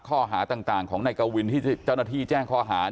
ข้อหาต่างของนายกวินที่เจ้าหน้าที่แจ้งข้อหา